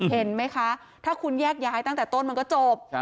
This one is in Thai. เห็นไหมคะถ้าคุณแยกย้ายตั้งแต่ต้นมันก็จบ